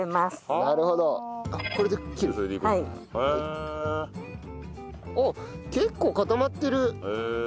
あっ結構固まってる。